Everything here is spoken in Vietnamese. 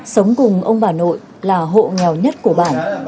sống cùng ông bà nội là hộ nghèo nhất của bản